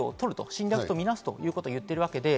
侵略とみなすということを言っているわけで。